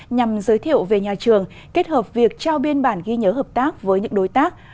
nhằm giới thiệu về nhà trường kết hợp việc trao biên bản ghi nhớ hợp tác với những đối tác